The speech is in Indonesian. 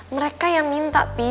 mereka yang minta pi